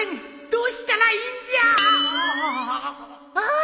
どうしたらいいんじゃ！ああああ！